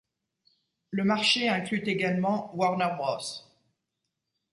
Le marché inclut également Warner Bros.